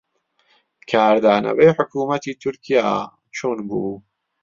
کاردانەوەی حکوومەتی تورکیا چۆن بوو؟